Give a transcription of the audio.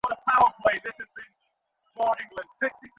এটা তোমার চায়ের কাপ নয়।